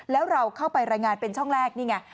แล้วเราเข้าไปรายงานเป็นช่องแรกนี่ไง